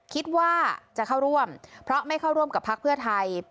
คิดว่าจะเข้าร่วมเพราะไม่เข้าร่วมกับพักเพื่อไทย